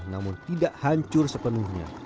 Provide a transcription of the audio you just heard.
namun tidak hancur sepenuhnya